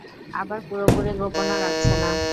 আবার পুরোপুরি গোপনও রাখছে না।